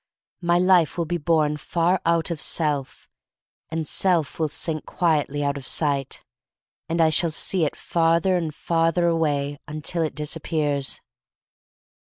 My life will be borne far out of self, and self will sink quietly out of sight — and I shall see it farther and farther away, until it disappears.